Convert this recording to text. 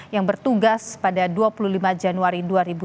yang bertugas pada dua puluh lima januari dua ribu dua puluh